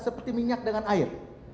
seperti minyak dengan air